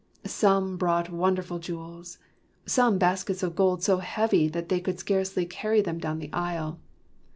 Some brought wonderful jewels, some baskets of gold so heavy that they could scarcely carry them down the aisle.